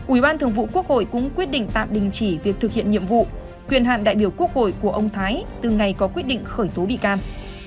ủy ban thường vụ quốc hội cũng quyết định tạm đình chỉ việc thực hiện nhiệm vụ quyền hạn đại biểu quốc hội của ông thái từ ngày có quyết định khởi tố bị can